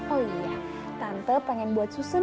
oh iya tante pengen buat susun